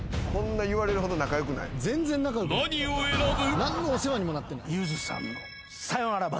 ［何を選ぶ？］